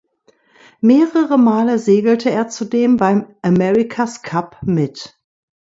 Mehrere Male segelte er zudem beim America’s Cup mit.